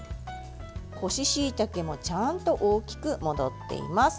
干ししいたけもちゃんと大きく戻っています。